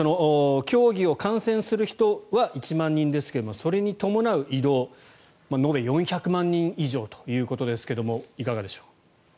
競技を観戦する人は１万人ですが、それに伴う移動延べ４００万人以上ということですがいかがでしょう。